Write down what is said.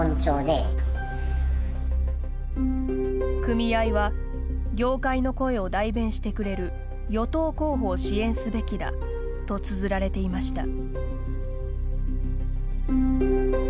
「組合は業界の声を代弁してくれる与党候補を支援すべきだ」とつづられていました。